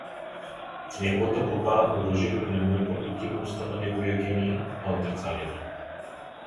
В неговата борба оръжието не му е продуктивността на неговия гений, а отрицанието.